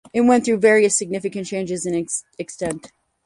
It went through various significant changes in extent.